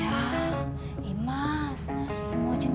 pengen melihatnya sama catanya